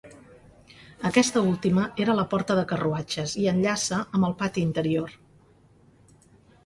Aquesta última era la porta de carruatges i enllaça amb el pati interior.